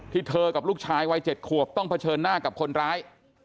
เธอกับลูกชายวัย๗ขวบต้องเผชิญหน้ากับคนร้าย